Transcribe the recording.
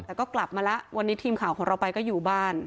แต่ก็กลับมาแล้ววันนี้ทีมข่าวของเราไปก็อยู่บ้าน